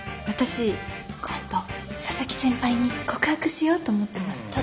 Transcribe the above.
私今度佐々木先輩に告白しようと思ってます。